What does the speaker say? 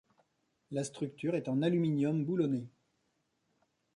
La structure est en aluminium boulonné.